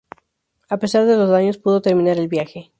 A pesar de los daños pudo terminar el viaje.